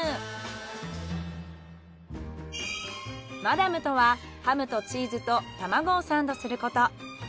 マダムとはハムとチーズと卵をサンドすること。